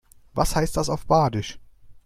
Was heißt das auf Badisch?